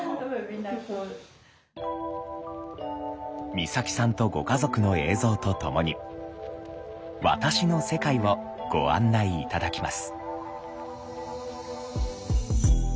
光沙季さんとご家族の映像とともに「私の世界」をご案内頂きます。